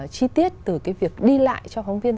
chi tiết từ cái việc đi lại cho phóng viên